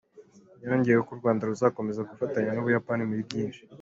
Yongeyeho ko u Rwanda ruzakomeza gufatanya n’u Buyapani muri byinshi.